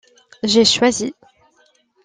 J'ai choisis.